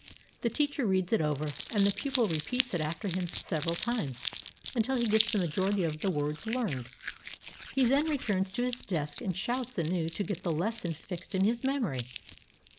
The teacher reads it over, and the pupil repeats it after him several times until he gets the majority of the words learned. He then returns to his desk and shouts anew to get the lesson fixed in his memory.